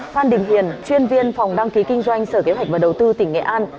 phan đình hiền chuyên viên phòng đăng ký kinh doanh sở kế hoạch và đầu tư tỉnh nghệ an